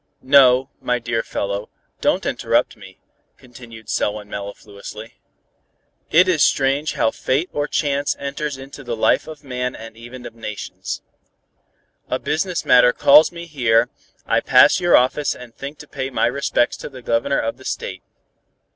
"No, my dear fellow, don't interrupt me," continued Selwyn mellifluously. "It is strange how fate or chance enters into the life of man and even of nations. A business matter calls me here, I pass your office and think to pay my respects to the Governor of the State.